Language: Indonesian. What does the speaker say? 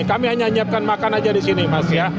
kami hanya menyiapkan makan aja di sini mas ya